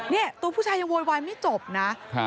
พี่ยังโวยวายไม่จบหรอก